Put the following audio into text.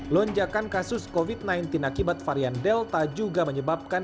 lonjakan kasus covid sembilan belas akibat varian delta juga menyebabkan